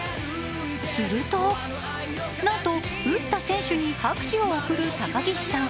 するとなんと、打った選手に拍手を贈る高岸さん。